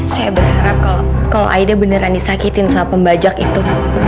saya berharap kalau aida beneran disakitin sama pembajak itu